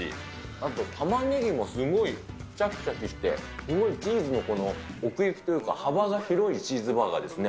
あとたまねぎもすごいしゃきしゃきして、すごいチーズのこの奥行きというか、幅が広いチーズバーガーですね。